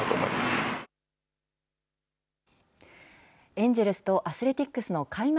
エンジェルスとアスレティックスの開幕